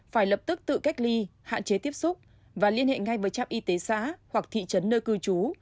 phải lập tức tự cách ly hạn chế tiếp xúc và liên hệ ngay với trạm y tế xã hoặc thị trấn nơi cư trú